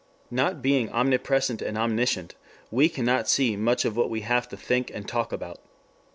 Not being omnipresent and omniscient we cannot see much of what we have to think and talk about.